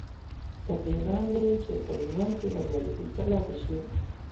تر دې وړاندې چې په ژوند کې برياليتوب تر لاسه شي.